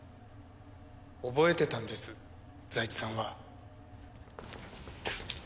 覚えてたんです財津さんは。